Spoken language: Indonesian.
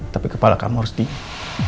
tapi kepala kamu harus dingin